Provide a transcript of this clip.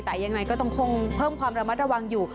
แต่ยังไงก็ต้องคงเพิ่มความระมัดระวังอยู่